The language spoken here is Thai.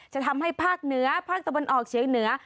จะทำให้ภาคเหนือภาคตะวันออกเฉียงเหนือ